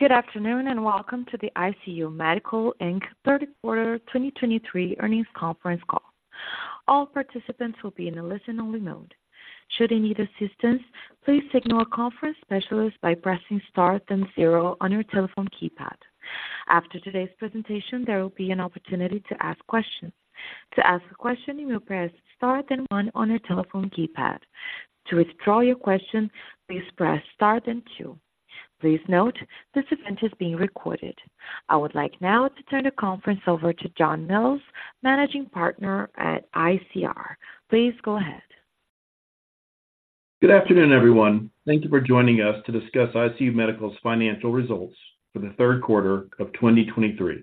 Good afternoon, and welcome to the ICU Medical, Inc. third quarter 2023 earnings conference call. All participants will be in a listen-only mode. Should you need assistance, please signal a conference specialist by pressing Star then zero on your telephone keypad. After today's presentation, there will be an opportunity to ask questions. To ask a question, you may press Star then one on your telephone keypad. To withdraw your question, please press Star then two. Please note, this event is being recorded. I would like now to turn the conference over to John Mills, Managing Partner at ICR. Please go ahead. Good afternoon, everyone. Thank you for joining us to discuss ICU Medical's financial results for the third quarter of 2023.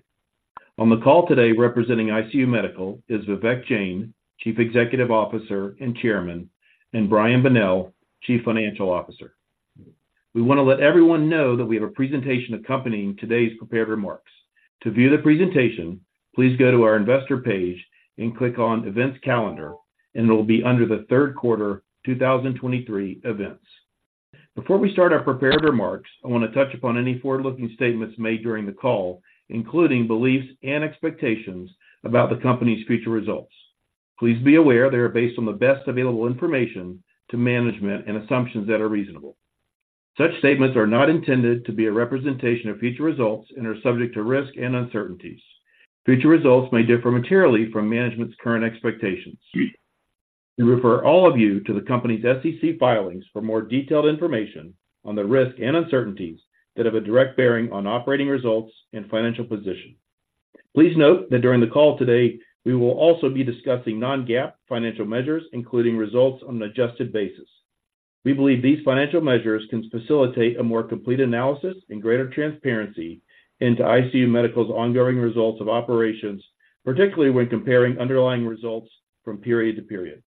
On the call today, representing ICU Medical, is Vivek Jain, Chief Executive Officer and Chairman, and Brian Bonnell, Chief Financial Officer. We want to let everyone know that we have a presentation accompanying today's prepared remarks. To view the presentation, please go to our investor page and click on Events Calendar, and it'll be under the third quarter 2023 events. Before we start our prepared remarks, I want to touch upon any forward-looking statements made during the call, including beliefs and expectations about the company's future results. Please be aware they are based on the best available information to management and assumptions that are reasonable. Such statements are not intended to be a representation of future results and are subject to risk and uncertainties. Future results may differ materially from management's current expectations. We refer all of you to the company's SEC filings for more detailed information on the risks and uncertainties that have a direct bearing on operating results and financial position. Please note that during the call today, we will also be discussing non-GAAP financial measures, including results on an adjusted basis. We believe these financial measures can facilitate a more complete analysis and greater transparency into ICU Medical's ongoing results of operations, particularly when comparing underlying results from period to period.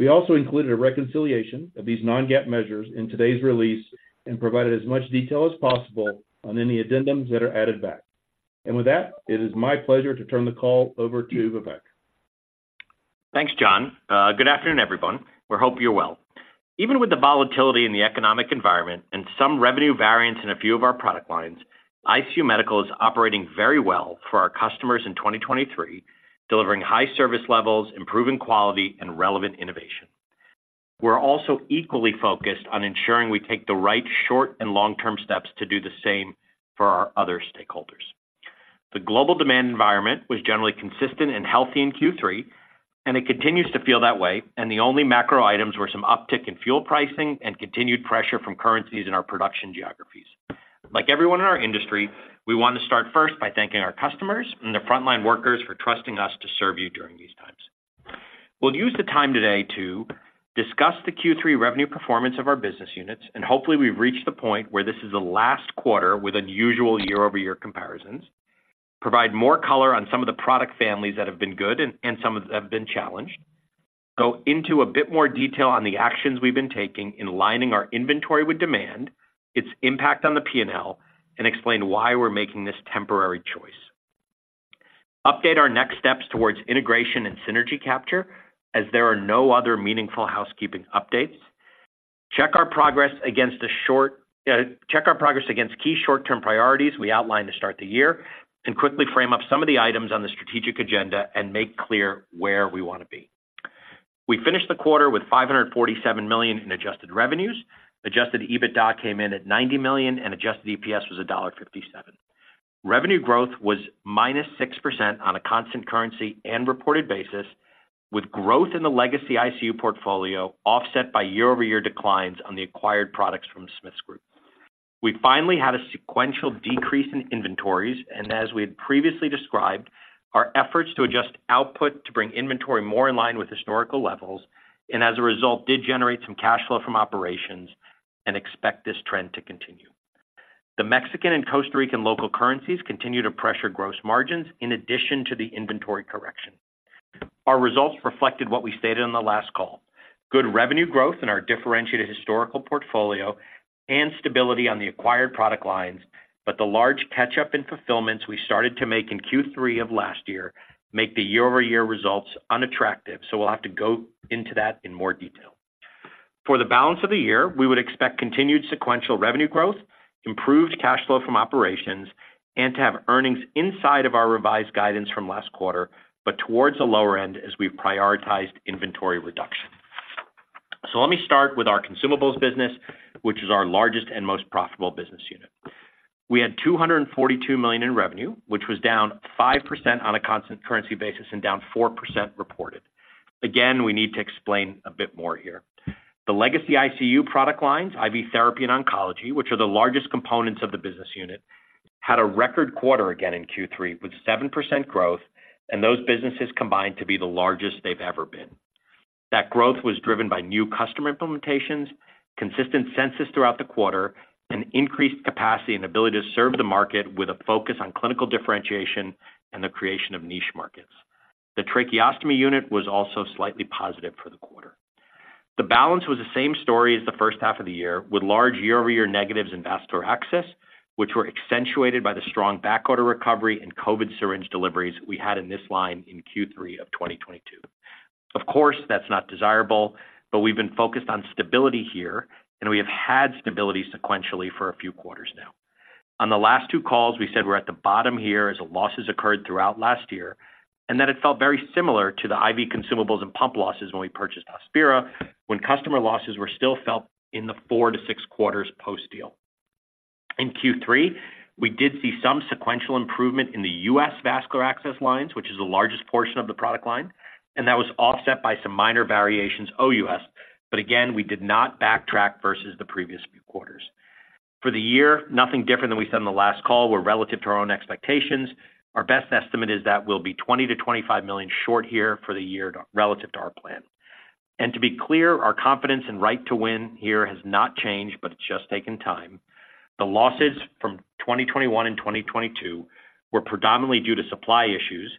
We also included a reconciliation of these non-GAAP measures in today's release and provided as much detail as possible on any addendums that are added back. With that, it is my pleasure to turn the call over to Vivek. Thanks, John. Good afternoon, everyone. We hope you're well. Even with the volatility in the economic environment and some revenue variance in a few of our product lines, ICU Medical is operating very well for our customers in 2023, delivering high service levels, improving quality, and relevant innovation. We're also equally focused on ensuring we take the right short and long-term steps to do the same for our other stakeholders. The global demand environment was generally consistent and healthy in Q3, and it continues to feel that way, and the only macro items were some uptick in fuel pricing and continued pressure from currencies in our production geographies. Like everyone in our industry, we want to start first by thanking our customers and their frontline workers for trusting us to serve you during these times. We'll use the time today to discuss the Q3 revenue performance of our business units, and hopefully, we've reached the point where this is the last quarter with unusual year-over-year comparisons. Provide more color on some of the product families that have been good and some of that have been challenged. Go into a bit more detail on the actions we've been taking in aligning our inventory with demand, its impact on the P&L, and explain why we're making this temporary choice. Update our next steps towards integration and synergy capture, as there are no other meaningful housekeeping updates. Check our progress against key short-term priorities we outlined to start the year, and quickly frame up some of the items on the strategic agenda and make clear where we want to be. We finished the quarter with $547 million in adjusted revenues. Adjusted EBITDA came in at $90 million, and adjusted EPS was $1.57. Revenue growth was -6% on a constant currency and reported basis, with growth in the legacy ICU portfolio offset by year-over-year declines on the acquired products from the Smiths Group. We finally had a sequential decrease in inventories, and as we had previously described, our efforts to adjust output to bring inventory more in line with historical levels, and as a result, did generate some cash flow from operations and expect this trend to continue. The Mexican and Costa Rican local currencies continue to pressure gross margins in addition to the inventory correction. Our results reflected what we stated on the last call: good revenue growth in our differentiated historical portfolio and stability on the acquired product lines, but the large catch-up in fulfillments we started to make in Q3 of last year, make the year-over-year results unattractive, so we'll have to go into that in more detail. For the balance of the year, we would expect continued sequential revenue growth, improved cash flow from operations, and to have earnings inside of our revised guidance from last quarter, but towards the lower end as we've prioritized inventory reduction. So let me start with our consumables business, which is our largest and most profitable business unit. We had $242 million in revenue, which was down 5% on a constant currency basis and down 4% reported. Again, we need to explain a bit more here. The legacy ICU product lines, IV therapy and oncology, which are the largest components of the business unit, had a record quarter again in Q3 with 7% growth, and those businesses combined to be the largest they've ever been. That growth was driven by new customer implementations, consistent census throughout the quarter, and increased capacity and ability to serve the market with a focus on clinical differentiation and the creation of niche markets. The tracheostomy unit was also slightly positive for the quarter. The balance was the same story as the first half of the year, with large year-over-year negatives in vascular access, which were accentuated by the strong backorder recovery and COVID syringe deliveries we had in this line in Q3 of 2022. Of course, that's not desirable, but we've been focused on stability here, and we have had stability sequentially for a few quarters now. On the last two calls, we said we're at the bottom here as the losses occurred throughout last year, and that it felt very similar to the IV consumables and pump losses when we purchased Hospira, when customer losses were still felt in the 4-6 quarters post-deal. In Q3, we did see some sequential improvement in the U.S. vascular access lines, which is the largest portion of the product line, and that was offset by some minor variations OUS, but again, we did not backtrack versus the previous few quarters. For the year, nothing different than we said on the last call. We're relative to our own expectations. Our best estimate is that we'll be $20 million-$25 million short here for the year relative to our plan. And to be clear, our confidence and right to win here has not changed, but it's just taken time. The losses from 2021 and 2022 were predominantly due to supply issues,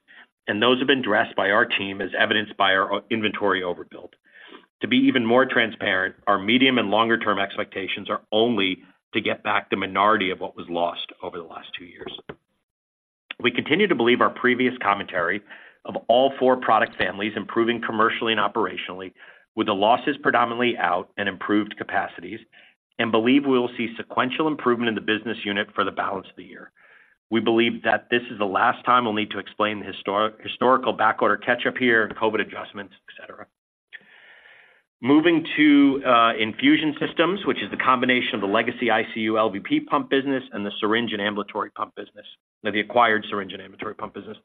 and those have been addressed by our team, as evidenced by our inventory overbuild. To be even more transparent, our medium- and longer-term expectations are only to get back the minority of what was lost over the last two years. We continue to believe our previous commentary of all four product families improving commercially and operationally, with the losses predominantly out and improved capacities, and believe we will see sequential improvement in the business unit for the balance of the year. We believe that this is the last time we'll need to explain the historical backorder catch-up here, and COVID adjustments, et cetera. Moving to infusion systems, which is the combination of the legacy ICU LVP pump business and the syringe and ambulatory pump business, or the acquired syringe and ambulatory pump business.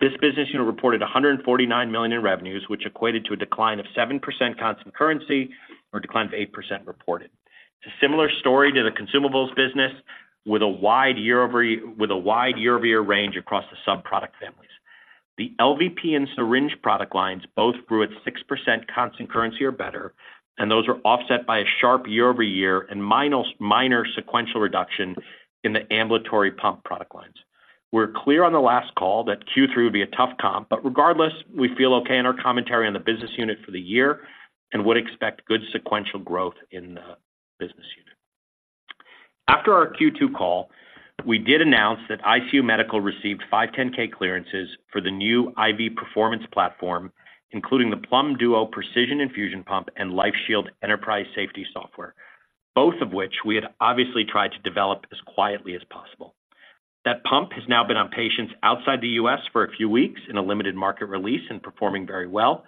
This business unit reported $149 million in revenues, which equated to a decline of 7% constant currency, or a decline of 8% reported. It's a similar story to the consumables business, with a wide year-over-year range across the sub-product families. The LVP and syringe product lines both grew at 6% constant currency or better, and those were offset by a sharp year-over-year and minor sequential reduction in the ambulatory pump product lines. We're clear on the last call that Q3 would be a tough comp, but regardless, we feel okay in our commentary on the business unit for the year and would expect good sequential growth in the business unit. After our Q2 call, we did announce that ICU Medical received five 510(k) clearances for the new IV performance platform, including the Plum Duo precision infusion pump and LifeShield enterprise safety software, both of which we had obviously tried to develop as quietly as possible. That pump has now been on patients outside the U.S. for a few weeks in a limited market release and performing very well.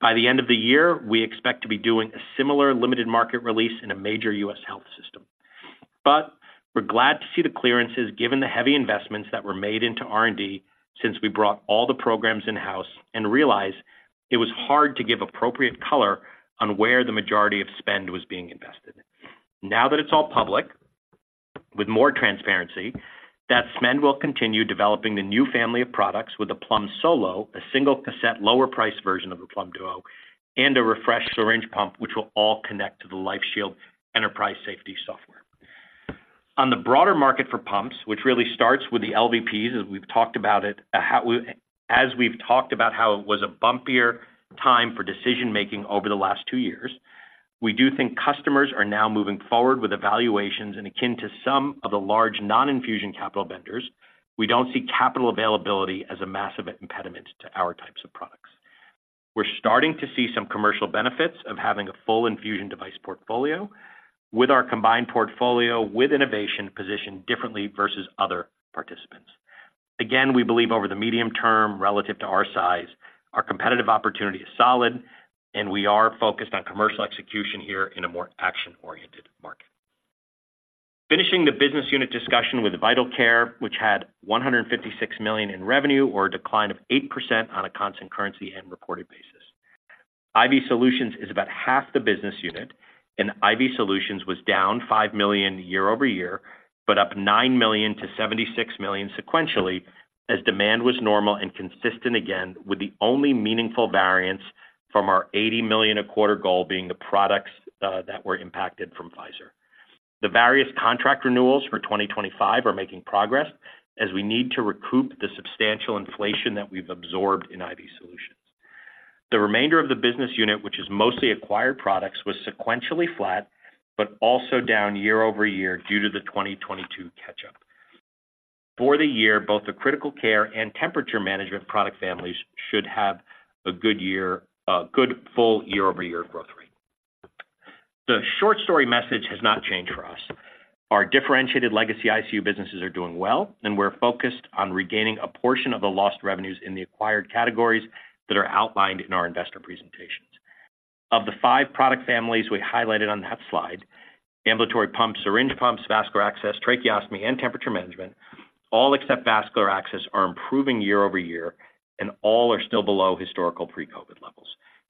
By the end of the year, we expect to be doing a similar limited market release in a major U.S. health system. But we're glad to see the clearances given the heavy investments that were made into R&D since we brought all the programs in-house, and realize it was hard to give appropriate color on where the majority of spend was being invested. Now that it's all public, with more transparency, that spend will continue developing the new family of products with the Plum Solo, a single cassette, lower-priced version of the Plum Duo, and a refreshed syringe pump, which will all connect to the LifeShield enterprise safety software. On the broader market for pumps, which really starts with the LVPs, as we've talked about it, as we've talked about how it was a bumpier time for decision-making over the last two years, we do think customers are now moving forward with evaluations and akin to some of the large non-infusion capital vendors, we don't see capital availability as a massive impediment to our types of products. We're starting to see some commercial benefits of having a full infusion device portfolio with our combined portfolio, with innovation positioned differently versus other participants. Again, we believe over the medium term, relative to our size, our competitive opportunity is solid, and we are focused on commercial execution here in a more action-oriented market. Finishing the business unit discussion with Vital Care, which had $156 million in revenue, or a decline of 8% on a constant currency and reported basis. IV Solutions is about half the business unit, and IV Solutions was down $5 million year-over-year, but up $9 million to $76 million sequentially, as demand was normal and consistent again, with the only meaningful variance from our $80 million a quarter goal being the products that were impacted from Pfizer. The various contract renewals for 2025 are making progress as we need to recoup the substantial inflation that we've absorbed in IV Solutions. The remainder of the business unit, which is mostly acquired products, was sequentially flat, but also down year-over-year due to the 2022 catch-up. For the year, both the critical care and temperature management product families should have a good year, a good full year-over-year growth rate. The short story message has not changed for us. Our differentiated legacy ICU businesses are doing well, and we're focused on regaining a portion of the lost revenues in the acquired categories that are outlined in our investor presentations. Of the five product families we highlighted on that slide, ambulatory pumps, syringe pumps, vascular access, tracheostomy, and temperature management, all except vascular access are improving year-over-year, and all are still below historical pre-COVID levels.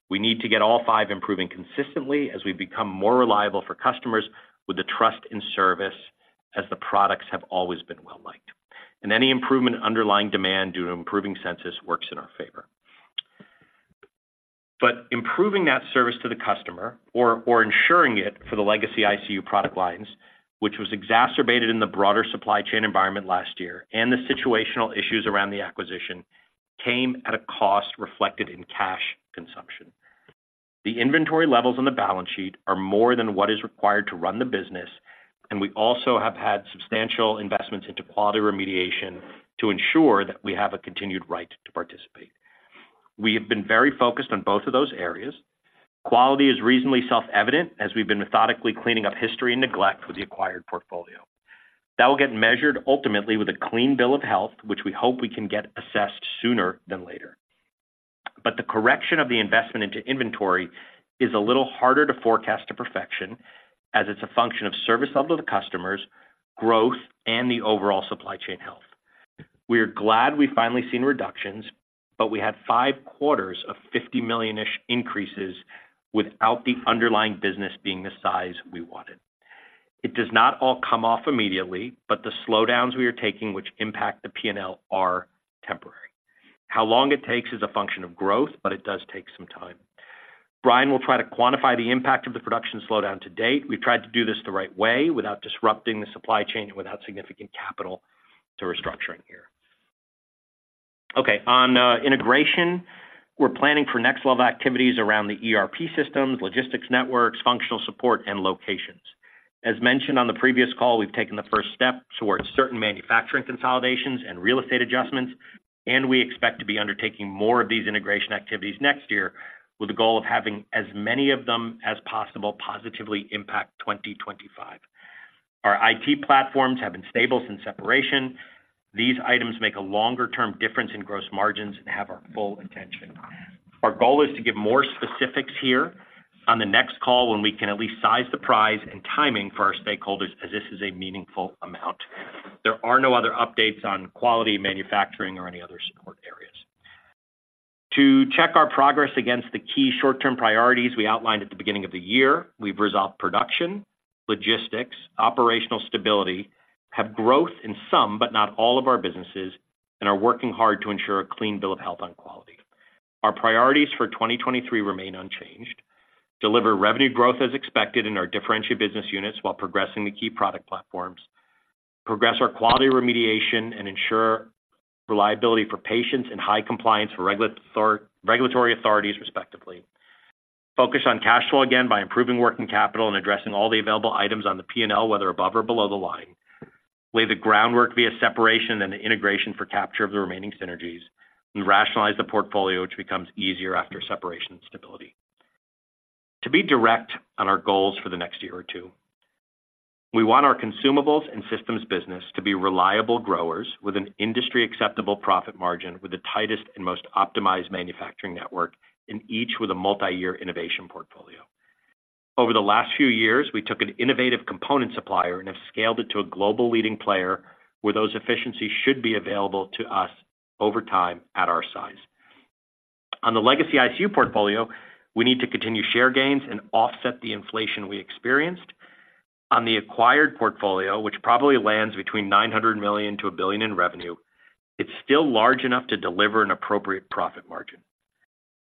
We need to get all five improving consistently as we become more reliable for customers with the trust in service, as the products have always been well-liked, and any improvement in underlying demand due to improving census works in our favor. But improving that service to the customer or, or ensuring it for the legacy ICU product lines, which was exacerbated in the broader supply chain environment last year, and the situational issues around the acquisition, came at a cost reflected in cash consumption.... The inventory levels on the balance sheet are more than what is required to run the business, and we also have had substantial investments into quality remediation to ensure that we have a continued right to participate. We have been very focused on both of those areas. Quality is reasonably self-evident, as we've been methodically cleaning up history and neglect with the acquired portfolio. That will get measured ultimately with a clean bill of health, which we hope we can get assessed sooner than later. But the correction of the investment into inventory is a little harder to forecast to perfection, as it's a function of service level to customers, growth, and the overall supply chain health. We are glad we've finally seen reductions, but we had five quarters of $50 million-ish increases without the underlying business being the size we wanted. It does not all come off immediately, but the slowdowns we are taking, which impact the P&L, are temporary. How long it takes is a function of growth, but it does take some time. Brian will try to quantify the impact of the production slowdown to date. We've tried to do this the right way without disrupting the supply chain and without significant capital to restructuring here. Okay, on integration, we're planning for next-level activities around the ERP systems, logistics networks, functional support, and locations. As mentioned on the previous call, we've taken the first step towards certain manufacturing consolidations and real estate adjustments, and we expect to be undertaking more of these integration activities next year, with the goal of having as many of them as possible positively impact 2025. Our IT platforms have been stable since separation. These items make a longer-term difference in gross margins and have our full attention. Our goal is to give more specifics here on the next call, when we can at least size the prize and timing for our stakeholders, as this is a meaningful amount. There are no other updates on quality, manufacturing, or any other support areas. To check our progress against the key short-term priorities we outlined at the beginning of the year, we've resolved production, logistics, operational stability, have growth in some, but not all, of our businesses, and are working hard to ensure a clean bill of health on quality. Our priorities for 2023 remain unchanged. Deliver revenue growth as expected in our differentiated business units, while progressing the key product platforms. Progress our quality remediation and ensure reliability for patients and high compliance for regulatory authorities, respectively. Focus on cash flow again by improving working capital and addressing all the available items on the P&L, whether above or below the line. Lay the groundwork via separation and the integration for capture of the remaining synergies, and rationalize the portfolio, which becomes easier after separation and stability. To be direct on our goals for the next year or two, we want our consumables and systems business to be reliable growers with an industry-acceptable profit margin, with the tightest and most optimized manufacturing network, and each with a multi-year innovation portfolio. Over the last few years, we took an innovative component supplier and have scaled it to a global leading player, where those efficiencies should be available to us over time at our size. On the legacy ICU portfolio, we need to continue share gains and offset the inflation we experienced. On the acquired portfolio, which probably lands between $900 million-$1 billion in revenue, it's still large enough to deliver an appropriate profit margin.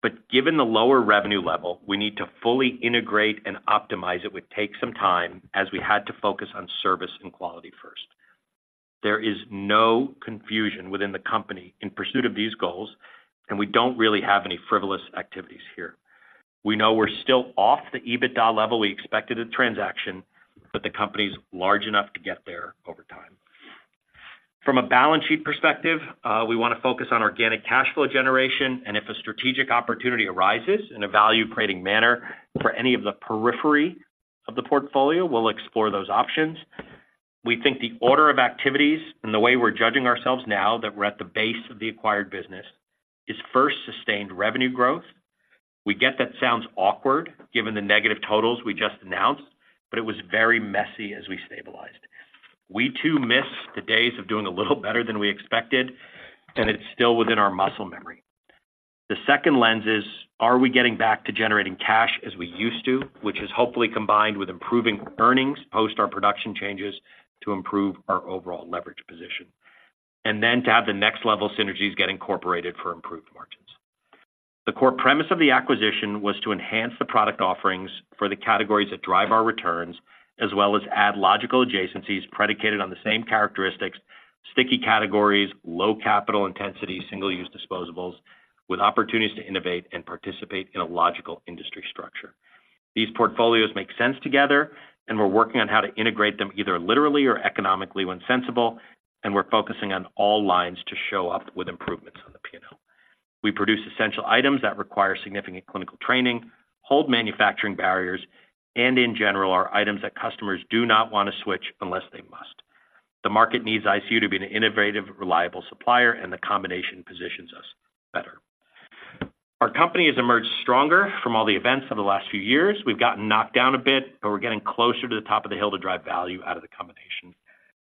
But given the lower revenue level, we need to fully integrate and optimize. It would take some time, as we had to focus on service and quality first. There is no confusion within the company in pursuit of these goals, and we don't really have any frivolous activities here. We know we're still off the EBITDA level we expected at transaction, but the company's large enough to get there over time. From a balance sheet perspective, we want to focus on organic cash flow generation, and if a strategic opportunity arises in a value-creating manner for any of the periphery of the portfolio, we'll explore those options. We think the order of activities and the way we're judging ourselves now, that we're at the base of the acquired business, is first, sustained revenue growth. We get that sounds awkward given the negative totals we just announced, but it was very messy as we stabilized. We, too, miss the days of doing a little better than we expected, and it's still within our muscle memory. The second lens is: are we getting back to generating cash as we used to? Which is hopefully combined with improving earnings post our production changes to improve our overall leverage position, and then to have the next level synergies get incorporated for improved margins. The core premise of the acquisition was to enhance the product offerings for the categories that drive our returns, as well as add logical adjacencies predicated on the same characteristics, sticky categories, low capital intensity, single-use disposables, with opportunities to innovate and participate in a logical industry structure. These portfolios make sense together, and we're working on how to integrate them, either literally or economically, when sensible, and we're focusing on all lines to show up with improvements on the P&L. We produce essential items that require significant clinical training, hold manufacturing barriers, and in general, are items that customers do not want to switch unless they must. The market needs ICU to be an innovative, reliable supplier, and the combination positions us better. Our company has emerged stronger from all the events over the last few years. We've gotten knocked down a bit, but we're getting closer to the top of the hill to drive value out of the combination.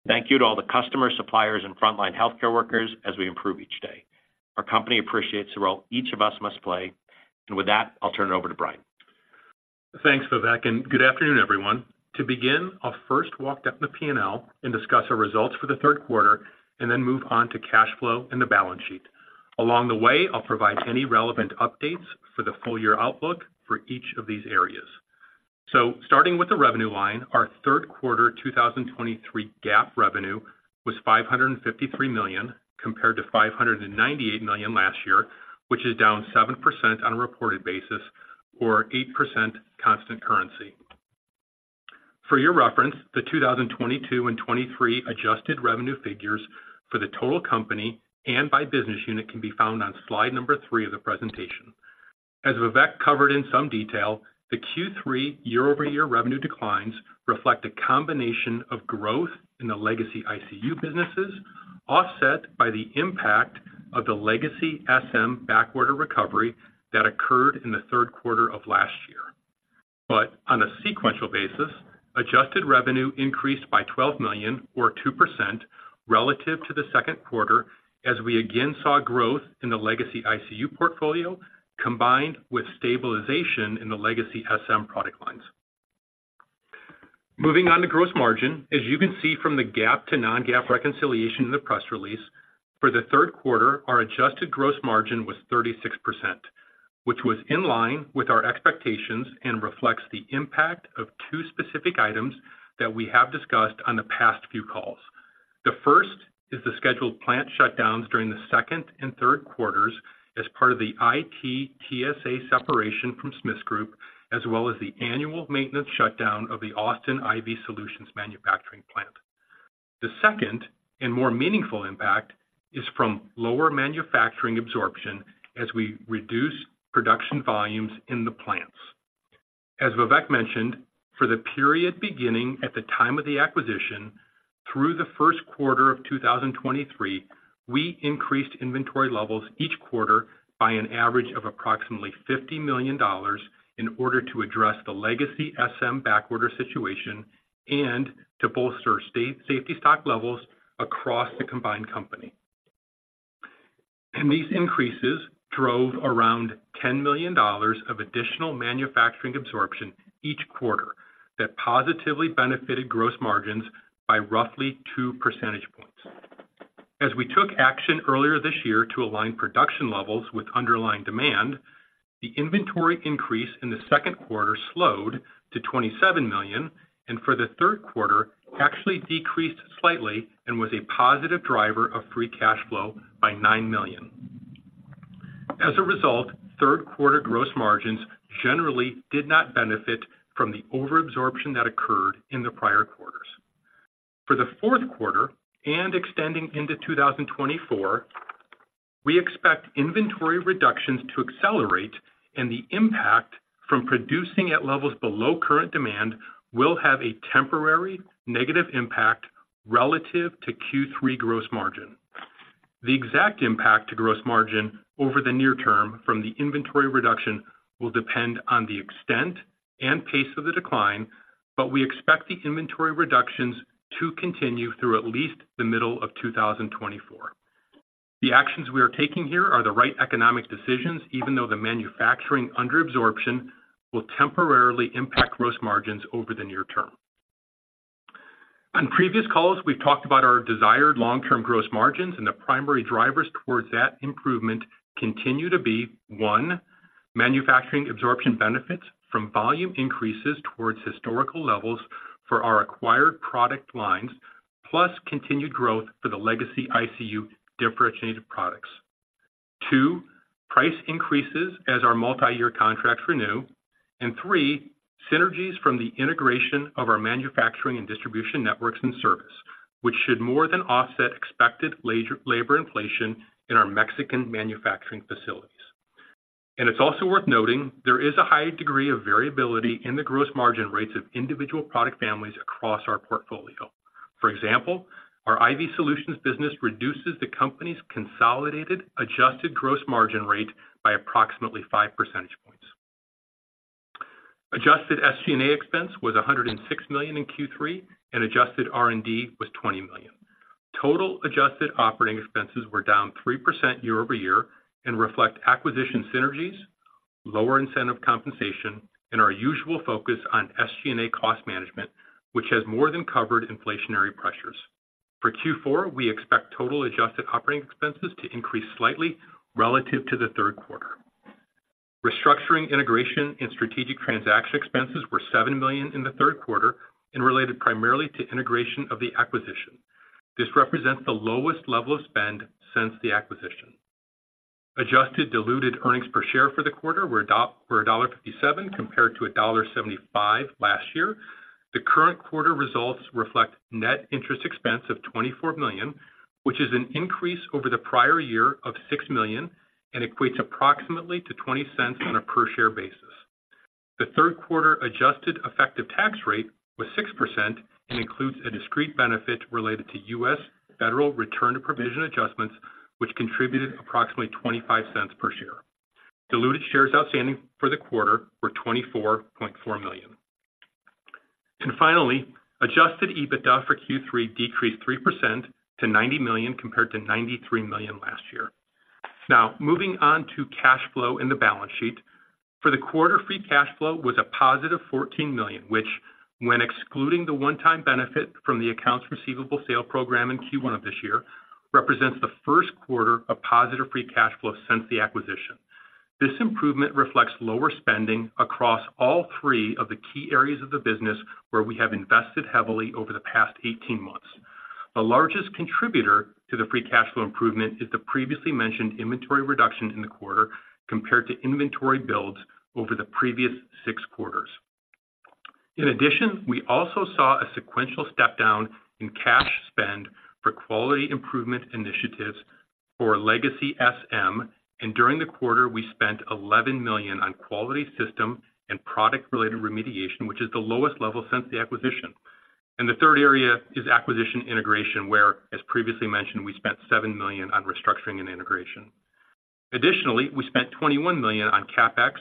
Thank you to all the customers, suppliers, and frontline healthcare workers as we improve each day. Our company appreciates the role each of us must play. And with that, I'll turn it over to Brian. Thanks, Vivek, and good afternoon, everyone. To begin, I'll first walk down the P&L and discuss our results for the third quarter and then move on to cash flow and the balance sheet. Along the way, I'll provide any relevant updates for the full-year outlook for each of these areas. Starting with the revenue line, our third quarter 2023 GAAP revenue was $553 million, compared to $598 million last year, which is down 7% on a reported basis or 8% constant currency. For your reference, the 2022 and 2023 adjusted revenue figures for the total company and by business unit can be found on slide number 3 of the presentation. As Vivek covered in some detail, the Q3 year-over-year revenue declines reflect a combination of growth in the legacy ICU businesses, offset by the impact of the legacy SM backorder recovery that occurred in the third quarter of last year. But on a sequential basis, adjusted revenue increased by $12 million, or 2%, relative to the second quarter, as we again saw growth in the legacy ICU portfolio, combined with stabilization in the legacy SM product lines. Moving on to gross margin. As you can see from the GAAP to non-GAAP reconciliation in the press release, for the third quarter, our adjusted gross margin was 36%, which was in line with our expectations and reflects the impact of two specific items that we have discussed on the past few calls. The first is the scheduled plant shutdowns during the second and third quarters as part of the IT TSA separation from Smiths Group, as well as the annual maintenance shutdown of the Austin IV Solutions manufacturing plant. The second, and more meaningful impact, is from lower manufacturing absorption as we reduce production volumes in the plants. As Vivek mentioned, for the period beginning at the time of the acquisition through the first quarter of 2023, we increased inventory levels each quarter by an average of approximately $50 million in order to address the legacy SM backorder situation and to bolster state safety stock levels across the combined company. These increases drove around $10 million of additional manufacturing absorption each quarter, that positively benefited gross margins by roughly two percentage points. As we took action earlier this year to align production levels with underlying demand, the inventory increase in the second quarter slowed to $27 million, and for the third quarter, actually decreased slightly and was a positive driver of free cash flow by $9 million. As a result, third quarter gross margins generally did not benefit from the overabsorption that occurred in the prior quarters. For the fourth quarter and extending into 2024, we expect inventory reductions to accelerate, and the impact from producing at levels below current demand will have a temporary negative impact relative to Q3 gross margin. The exact impact to gross margin over the near term from the inventory reduction will depend on the extent and pace of the decline, but we expect the inventory reductions to continue through at least the middle of 2024. The actions we are taking here are the right economic decisions, even though the manufacturing underabsorption will temporarily impact gross margins over the near term. On previous calls, we've talked about our desired long-term gross margins, and the primary drivers towards that improvement continue to be, one, manufacturing absorption benefits from volume increases towards historical levels for our acquired product lines, plus continued growth for the legacy ICU differentiated products. Two, price increases as our multi-year contracts renew. And three, synergies from the integration of our manufacturing and distribution networks and service, which should more than offset expected labor inflation in our Mexican manufacturing facilities. And it's also worth noting, there is a high degree of variability in the gross margin rates of individual product families across our portfolio. For example, our IV Solutions business reduces the company's consolidated adjusted gross margin rate by approximately five percentage points. Adjusted SG&A expense was $106 million in Q3, and adjusted R&D was $20 million. Total adjusted operating expenses were down 3% year-over-year and reflect acquisition synergies, lower incentive compensation, and our usual focus on SG&A cost management, which has more than covered inflationary pressures. For Q4, we expect total adjusted operating expenses to increase slightly relative to the third quarter. Restructuring, integration, and strategic transaction expenses were $7 million in the third quarter and related primarily to integration of the acquisition. This represents the lowest level of spend since the acquisition. Adjusted diluted earnings per share for the quarter were $1.57, compared to $1.75 last year. The current quarter results reflect net interest expense of $24 million, which is an increase over the prior year of $6 million and equates approximately to $0.20 on a per-share basis. The third quarter adjusted effective tax rate was 6% and includes a discrete benefit related to U.S. federal return to provision adjustments, which contributed approximately $0.25 per share. Diluted shares outstanding for the quarter were 24.4 million. And finally, Adjusted EBITDA for Q3 decreased 3% to $90 million, compared to $93 million last year. Now, moving on to cash flow in the balance sheet. For the quarter, free cash flow was a positive $14 million, which, when excluding the one-time benefit from the accounts receivable sale program in Q1 of this year, represents the first quarter of positive free cash flow since the acquisition. This improvement reflects lower spending across all three of the key areas of the business, where we have invested heavily over the past 18 months. The largest contributor to the free cash flow improvement is the previously mentioned inventory reduction in the quarter compared to inventory builds over the previous six quarters. In addition, we also saw a sequential step-down in cash spend for quality improvement initiatives for Legacy SM, and during the quarter, we spent $11 million on quality system and product-related remediation, which is the lowest level since the acquisition. The third area is acquisition integration, where, as previously mentioned, we spent $7 million on restructuring and integration. Additionally, we spent $21 million on CapEx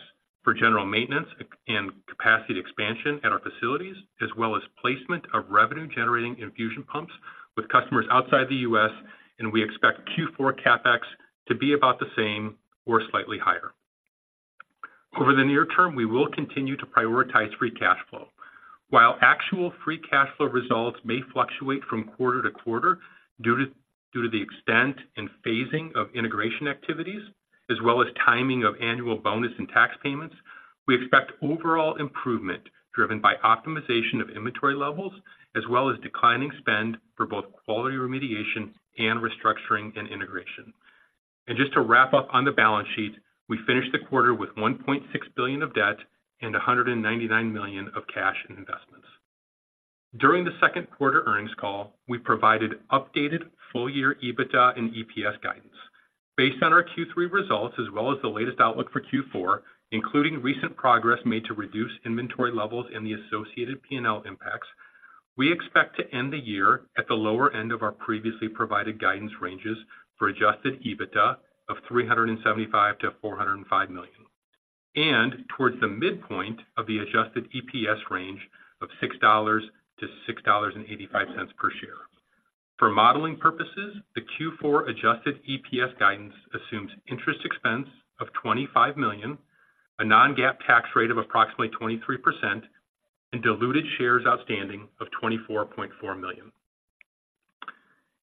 for general maintenance and capacity expansion at our facilities, as well as placement of revenue-generating infusion pumps with customers outside the U.S., and we expect Q4 CapEx to be about the same or slightly higher. Over the near term, we will continue to prioritize free cash flow. While actual free cash flow results may fluctuate from quarter to quarter due to the extent and phasing of integration activities, as well as timing of annual bonus and tax payments, we expect overall improvement driven by optimization of inventory levels, as well as declining spend for both quality remediation and restructuring and integration. Just to wrap up on the balance sheet, we finished the quarter with $1.6 billion of debt and $199 million of cash and investments. During the second quarter earnings call, we provided updated full-year EBITDA and EPS guidance. Based on our Q3 results, as well as the latest outlook for Q4, including recent progress made to reduce inventory levels and the associated P&L impacts, we expect to end the year at the lower end of our previously provided guidance ranges for adjusted EBITDA of $375 million-$405 million, and towards the midpoint of the adjusted EPS range of $6-$6.85 per share. For modeling purposes, the Q4 adjusted EPS guidance assumes interest expense of $25 million, a non-GAAP tax rate of approximately 23%, and diluted shares outstanding of 24.4 million.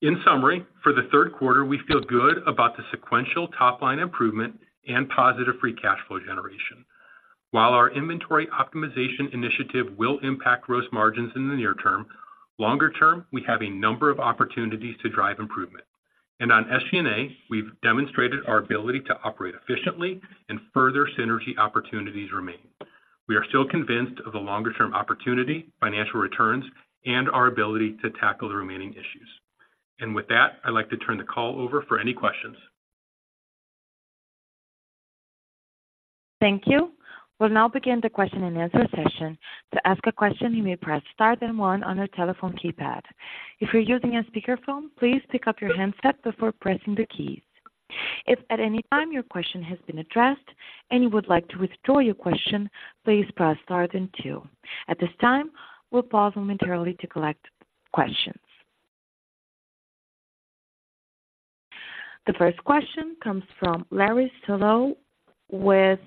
In summary, for the third quarter, we feel good about the sequential top-line improvement and positive free cash flow generation. While our inventory optimization initiative will impact gross margins in the near term, longer term, we have a number of opportunities to drive improvement. On SG&A, we've demonstrated our ability to operate efficiently and further synergy opportunities remain. We are still convinced of the longer-term opportunity, financial returns, and our ability to tackle the remaining issues. With that, I'd like to turn the call over for any questions. Thank you. We'll now begin the question-and-answer session. To ask a question, you may press Star then one on your telephone keypad. If you're using a speakerphone, please pick up your handset before pressing the keys. If at any time your question has been addressed and you would like to withdraw your question, please press Star then two. At this time, we'll pause momentarily to collect questions. The first question comes from Larry Solow with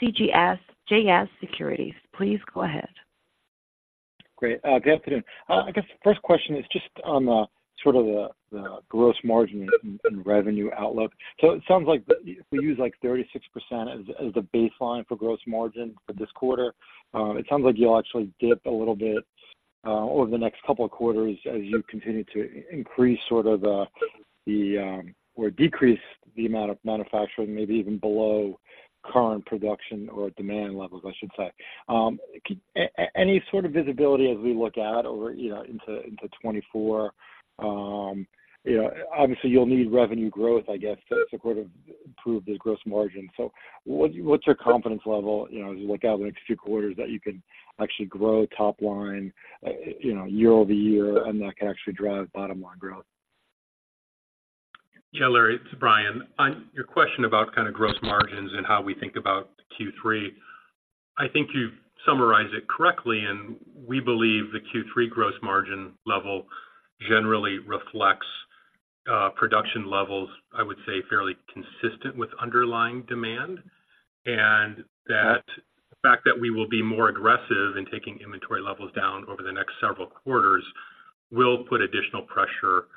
CJS Securities. Please go ahead. Great. Good afternoon. I guess the first question is just on the sort of the gross margin and revenue outlook. So it sounds like if we use, like, 36% as the baseline for gross margin for this quarter, it sounds like you'll actually dip a little bit over the next couple of quarters as you continue to increase sort of or decrease the amount of manufacturing, maybe even below current production or demand levels, I should say. Any sort of visibility as we look out over, you know, into 2024? You know, obviously, you'll need revenue growth, I guess, to sort of improve the gross margin. So, what's your confidence level, you know, as you look out the next few quarters, that you can actually grow top line, you know, year-over-year, and that can actually drive bottom line growth? Yeah, Larry, it's Brian. On your question about kind of gross margins and how we think about Q3, I think you've summarized it correctly, and we believe the Q3 gross margin level generally reflects production levels, I would say, fairly consistent with underlying demand. And that fact that we will be more aggressive in taking inventory levels down over the next several quarters will put additional pressure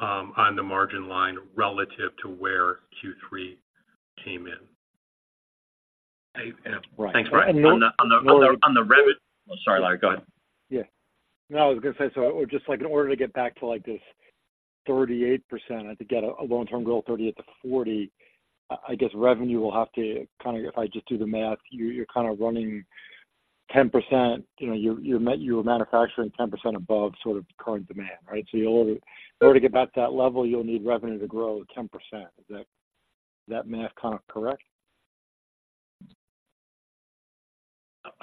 on the margin line relative to where Q3 came in. Right. Thanks, Brian. On the rev... Sorry, Larry, go ahead. Yeah. No, I was gonna say, so just like in order to get back to, like, this 38%, and to get a long-term goal, 38%-40%, I guess revenue will have to kind of—if I just do the math, you're kind of running 10%. You know, you're manufacturing 10% above sort of current demand, right? So in order to get back to that level, you'll need revenue to grow 10%. Is that math kind of correct?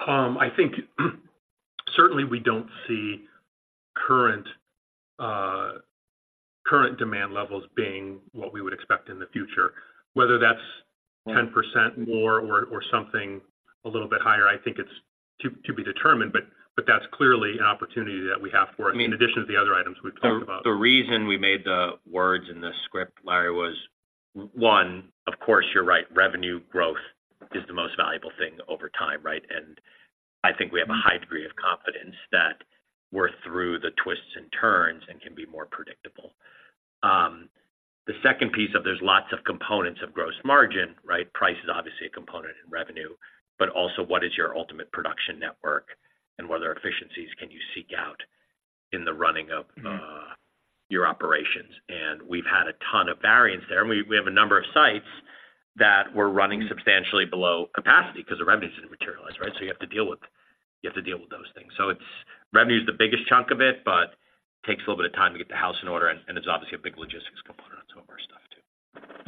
I think, certainly we don't see current demand levels being what we would expect in the future. Whether that's 10% more or something a little bit higher, I think it's to be determined, but that's clearly an opportunity that we have for it, in addition to the other items we've talked about. The reason we made the words in the script, Larry, was one, of course, you're right, revenue growth... thing over time, right? And I think we have a high degree of confidence that we're through the twists and turns and can be more predictable. The second piece is, there's lots of components of gross margin, right? Price is obviously a component in revenue, but also what is your ultimate production network and what other efficiencies can you seek out in the running of... Mm-hmm. your operations? And we've had a ton of variance there, and we have a number of sites that were running substantially below capacity because the revenues didn't materialize, right? So you have to deal with those things. So it's revenue is the biggest chunk of it, but takes a little bit of time to get the house in order, and there's obviously a big logistics component to some of our stuff, too.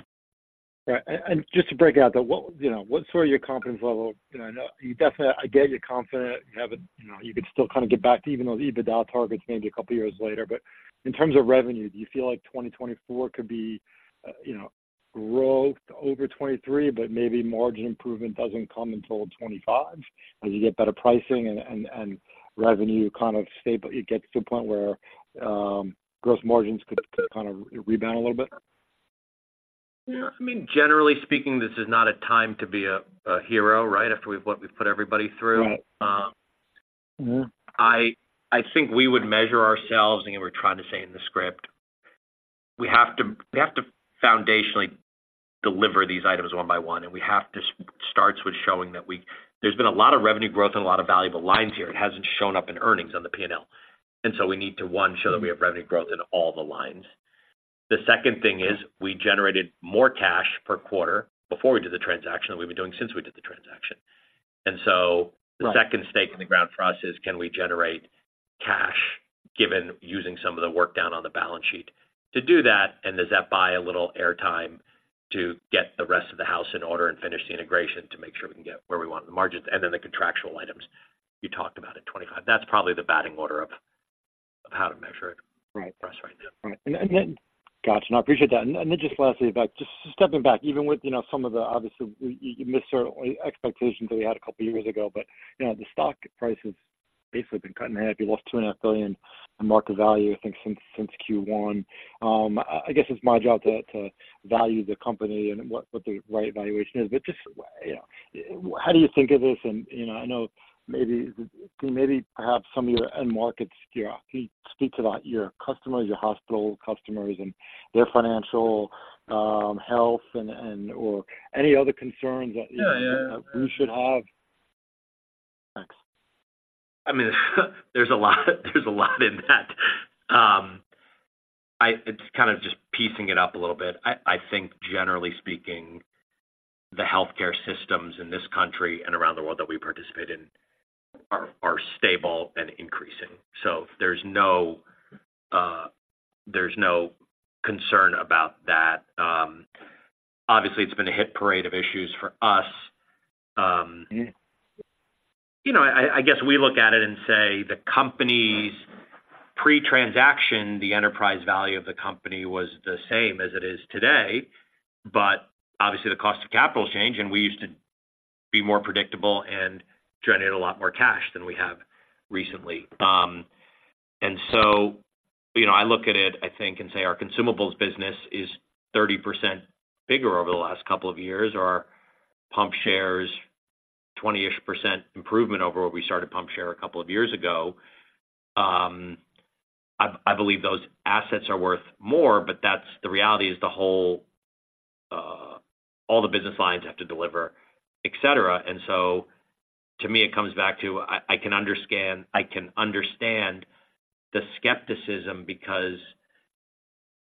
Right. And, and just to break out, though, what, you know, what's sort of your confidence level? You know, I know you definitely, I get you're confident. You have a, you know, you could still kind of get back to even those EBITDA targets maybe a couple of years later. But in terms of revenue, do you feel like 2024 could be, you know, growth over 2023, but maybe margin improvement doesn't come until 2025, as you get better pricing and, and, and revenue kind of stable, it gets to a point where, gross margins could kind of rebound a little bit? Yeah. I mean, generally speaking, this is not a time to be a hero, right? After what we've put everybody through. Right. Mm-hmm. I think we would measure ourselves. Again, we're trying to say in the script, we have to foundationally deliver these items one by one, and we have to start with showing that there's been a lot of revenue growth and a lot of valuable lines here. It hasn't shown up in earnings on the P&L, and so we need to, one, show that we have revenue growth in all the lines. The second thing is, we generated more cash per quarter before we did the transaction than we've been doing since we did the transaction. And so- Right. The second stake in the ground for us is, can we generate cash given using some of the work done on the balance sheet? To do that, and does that buy a little air time to get the rest of the house in order and finish the integration to make sure we can get where we want the margins and then the contractual items you talked about in 2025. That's probably the batting order of, of how to measure it. Right. for us right now. Right. Got you. No, I appreciate that. Just lastly, about just stepping back, even with, you know, some of the obviously, you missed certain expectations that we had a couple of years ago, but, you know, the stock price has basically been cut in half. You lost $2.5 billion in market value, I think, since Q1. I guess it's my job to value the company and what the right valuation is. But just, you know, how do you think of this? And, you know, I know maybe perhaps some of your end markets. Can you speak to that, your customers, your hospital customers, and their financial health, and or any other concerns that- Yeah, yeah. We should have? Thanks. I mean, there's a lot, there's a lot in that. It's kind of just piecing it up a little bit. I think generally speaking, the healthcare systems in this country and around the world that we participate in are stable and increasing. So there's no, there's no concern about that. Obviously, it's been a hit parade of issues for us. Mm-hmm. You know, I guess we look at it and say, the company's pre-transaction, the enterprise value of the company was the same as it is today, but obviously the cost of capital changed, and we used to be more predictable and generate a lot more cash than we have recently. And so, you know, I look at it, I think, and say our consumables business is 30% bigger over the last couple of years, our pump shares 20-ish% improvement over where we started pump share a couple of years ago. I believe those assets are worth more, but that's the reality, the whole, all the business lines have to deliver, et cetera. So to me, it comes back to I can understand the skepticism because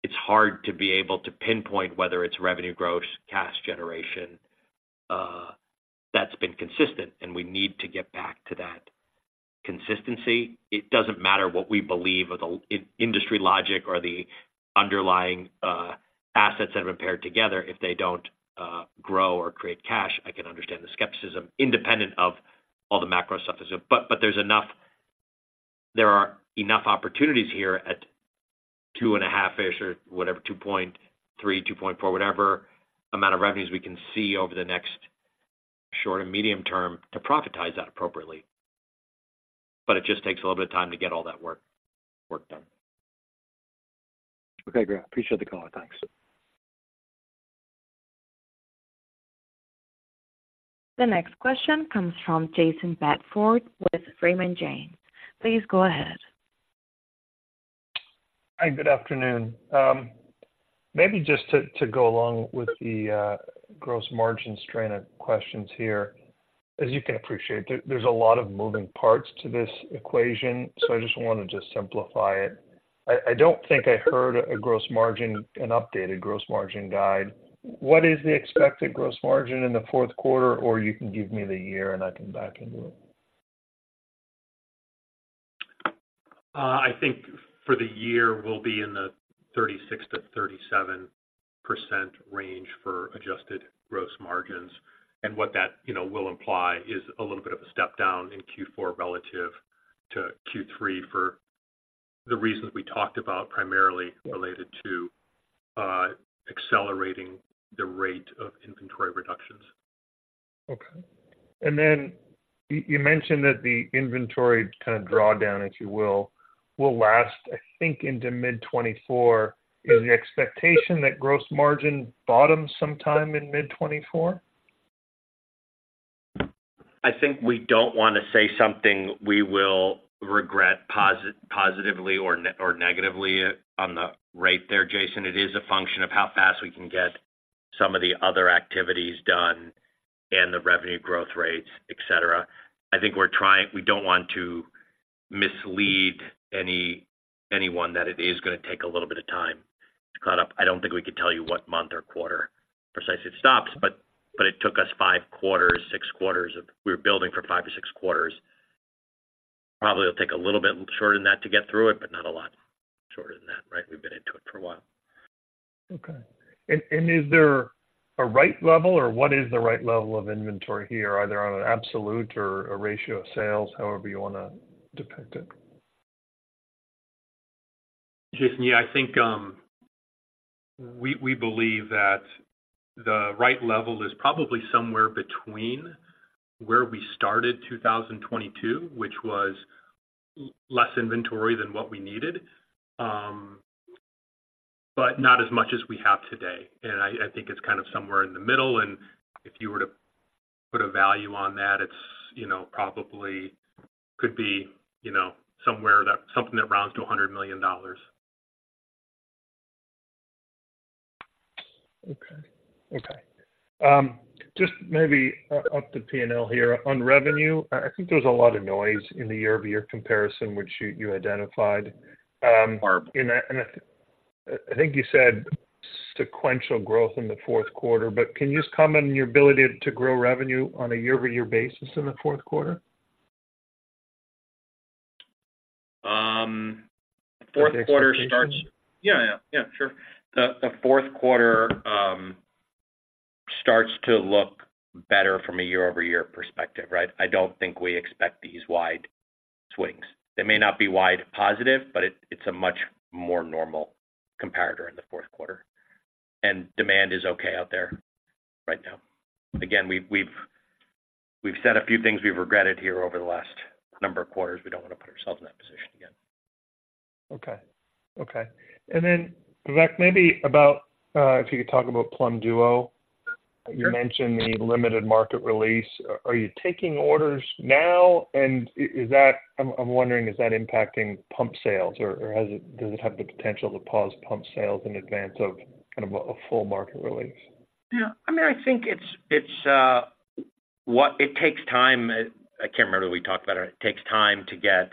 it's hard to be able to pinpoint whether it's revenue growth, cash generation, that's been consistent, and we need to get back to that consistency. It doesn't matter what we believe or the industry logic or the underlying assets that have been paired together. If they don't grow or create cash, I can understand the skepticism independent of all the macro stuff. But there are enough opportunities here at 2.5-ish or whatever, 2.3, 2.4, whatever amount of revenues we can see over the next short and medium term to profitize that appropriately. But it just takes a little bit of time to get all that work done. Okay, great. Appreciate the call. Thanks. The next question comes from Jayson Bedford with Raymond James. Please go ahead. Hi, good afternoon. Maybe just to go along with the gross margin strain of questions here. As you can appreciate, there's a lot of moving parts to this equation, so I just want to just simplify it. I don't think I heard a gross margin - an updated gross margin guide. What is the expected gross margin in the fourth quarter? Or you can give me the year, and I can back into it. I think for the year, we'll be in the 36%-37% range for adjusted gross margins. What that, you know, will imply is a little bit of a step down in Q4 relative to Q3 for the reasons we talked about, primarily related to accelerating the rate of inventory reductions. Okay. You mentioned that the inventory kind of drawdown, if you will, will last, I think, into mid-2024. Is the expectation that gross margin bottom sometime in mid-2024? I think we don't want to say something we will regret positively or negatively on the rate there, Jayson. It is a function of how fast we can get some of the other activities done and the revenue growth rates, et cetera. I think we're trying, we don't want to mislead anyone that it is going to take a little bit of time to catch up. I don't think we could tell you what month or quarter precisely it stops, but it took us five quarters, six quarters of... We were building for five to six quarters. Probably it'll take a little bit shorter than that to get through it, but not a lot shorter than that, right? We've been into it for a while. Okay. And is there a right level, or what is the right level of inventory here, either on an absolute or a ratio of sales, however you want to depict it? Jayson, yeah, I think, we, we believe that the right level is probably somewhere between where we started 2022, which was less inventory than what we needed, but not as much as we have today. And I, I think it's kind of somewhere in the middle, and if you were to put a value on that, it's, you know, probably could be, you know, somewhere that, something that rounds to $100 million. Okay. Just maybe up to P&L here. On revenue, I think there's a lot of noise in the year-over-year comparison, which you identified. Sure. I think you said sequential growth in the fourth quarter, but can you just comment on your ability to grow revenue on a year-over-year basis in the fourth quarter? Fourth quarter starts- Expectations? Yeah, yeah, yeah, sure. The fourth quarter starts to look better from a year-over-year perspective, right? I don't think we expect these wide swings. They may not be wide positive, but it's a much more normal comparator in the fourth quarter. And demand is okay out there right now. Again, we've said a few things we've regretted here over the last number of quarters. We don't want to put ourselves in that position again. Okay. Okay. And then, Vivek, maybe about if you could talk about Plum Duo. Sure. You mentioned the limited market release. Are you taking orders now, and is that... I'm wondering, is that impacting pump sales, or has it, does it have the potential to pause pump sales in advance of kind of a full market release? Yeah. I mean, I think it's what it takes time. I can't remember if we talked about it. It takes time to get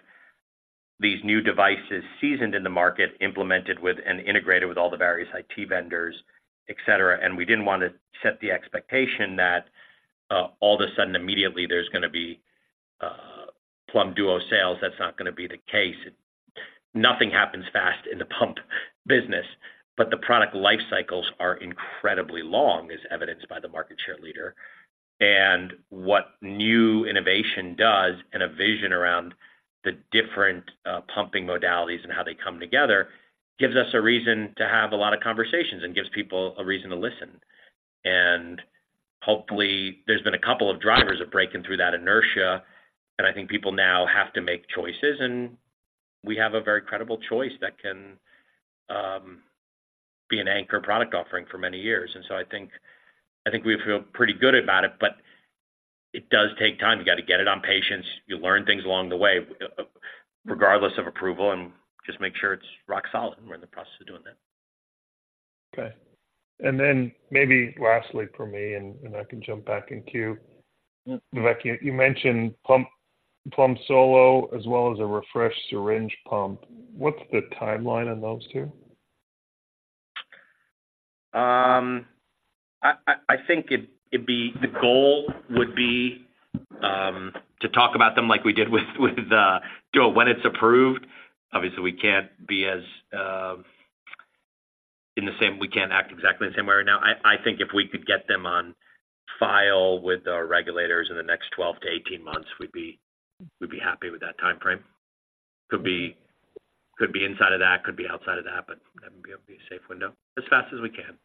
these new devices seasoned in the market, implemented with, and integrated with all the various IT vendors, et cetera. And we didn't want to set the expectation that all of a sudden, immediately there's going to be Plum Duo sales. That's not going to be the case. Nothing happens fast in the pump business, but the product life cycles are incredibly long, as evidenced by the market share leader. And what new innovation does, and a vision around the different pumping modalities and how they come together, gives us a reason to have a lot of conversations and gives people a reason to listen. And hopefully, there's been a couple of drivers of breaking through that inertia, and I think people now have to make choices, and we have a very credible choice that can be an anchor product offering for many years. And so I think, I think we feel pretty good about it, but it does take time. You got to get it on patients. You learn things along the way, regardless of approval, and just make sure it's rock solid, and we're in the process of doing that. Okay. And then maybe lastly for me, and, and I can jump back in queue. Mm-hmm. Vivek, you mentioned pump, Plum Solo, as well as a refreshed syringe pump. What's the timeline on those two? I think it'd be the goal would be to talk about them like we did with Duo, when it's approved. Obviously, we can't act exactly the same way right now. I think if we could get them on file with our regulators in the next 12-18 months, we'd be happy with that timeframe. Could be inside of that, could be outside of that, but that would be a safe window. As fast as we can.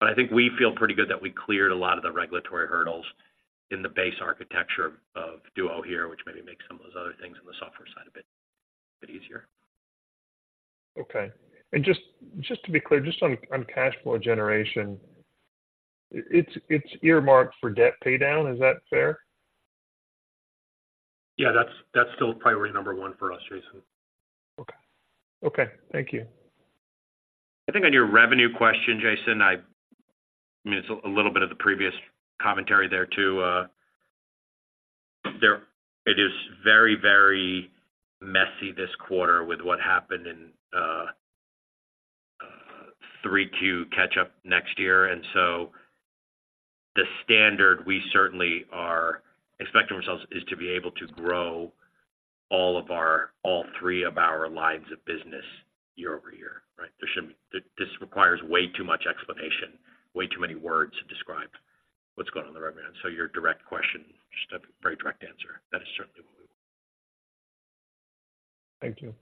But I think we feel pretty good that we cleared a lot of the regulatory hurdles in the base architecture of Duo here, which maybe makes some of those other things on the software side a bit easier. Okay. And just to be clear, just on cash flow generation, it's earmarked for debt paydown. Is that fair? Yeah, that's, that's still priority number one for us, Jayson. Okay. Okay, thank you. I think on your revenue question, Jayson, I mean, it's a little bit of the previous commentary there, too. There it is very, very messy this quarter with what happened in three Q catch-up next year. And so the standard we certainly are expecting ourselves is to be able to grow all three of our lines of business year-over-year, right? This requires way too much explanation, way too many words to describe what's going on in the revenue. So your direct question, just a very direct answer: That is certainly what we want. Thank you.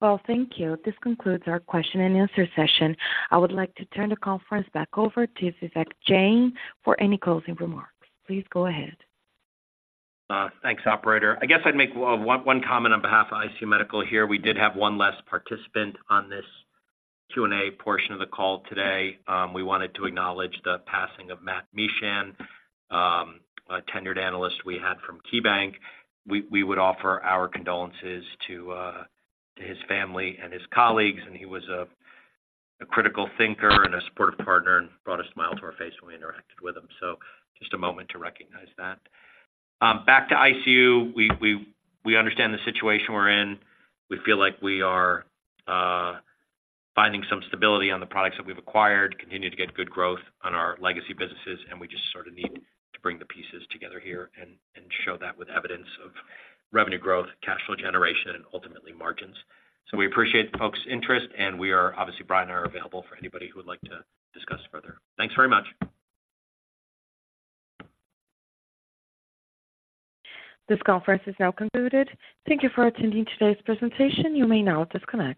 Well, thank you. This concludes our question and answer session. I would like to turn the conference back over to Vivek Jain for any closing remarks. Please go ahead. Thanks, operator. I guess I'd make one comment on behalf of ICU Medical here. We did have one less participant on this Q&A portion of the call today. We wanted to acknowledge the passing of Matt Mishan, a tenured analyst we had from KeyBanc. We would offer our condolences to his family and his colleagues, and he was a critical thinker and a supportive partner and brought a smile to our face when we interacted with him. So just a moment to recognize that. Back to ICU, we understand the situation we're in. We feel like we are finding some stability on the products that we've acquired, continuing to get good growth on our legacy businesses, and we just sort of need to bring the pieces together here and show that with evidence of revenue growth, cash flow generation, and ultimately margins. So we appreciate folks' interest, and we are obviously, Brian and I are available for anybody who would like to discuss further. Thanks very much. This conference is now concluded. Thank you for attending today's presentation. You may now disconnect.